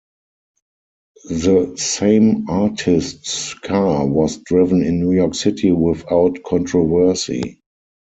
The same artist's car was driven in New York City without controversy.